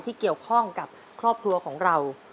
ที่เกี่ยวข้องกับครอบครัวของเรา